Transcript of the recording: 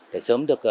để sớm được